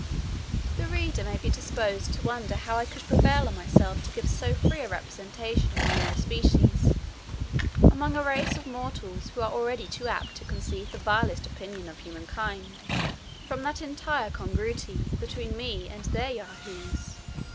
The reader may be disposed to wonder how I could prevail on myself to give so free a representation of my own species, among a race of mortals who are already too apt to conceive the vilest opinion of humankind, from that entire congruity between me and their Yahoos.